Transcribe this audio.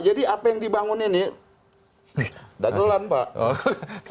jadi apa yang dibangun ini wih nggak geng geng lah